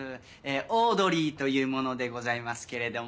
オードリーという者でございますけれども。